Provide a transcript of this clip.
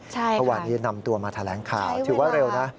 เมื่อวานนี้นำตัวมาแถลงข่าวถือว่าเร็วนะ